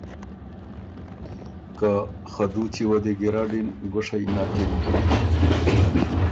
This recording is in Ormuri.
که ”خه دُوچی وه دی ګیرډِن ګُوشئ نکِن